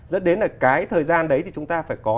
dẫn đến là cái thời gian đấy thì chúng ta phải có